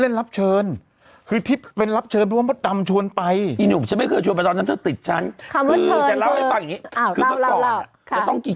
ทั้งเรื่องไม่ได้สามแสน